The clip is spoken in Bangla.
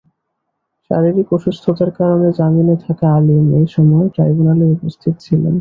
শারীরিক অসুস্থতার কারণে জামিনে থাকা আলীম এ সময় ট্রাইব্যুনালে উপস্থিত ছিলেন।